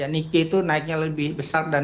nike itu naiknya lebih besar dan